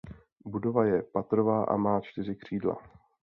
Budova je patrová a má čtyři křídla.